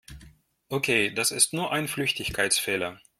Okay, das ist nur ein Flüchtigkeitsfehler.